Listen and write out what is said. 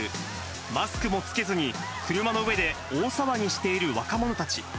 マスクも着けずに、車の上で大騒ぎしている若者たち。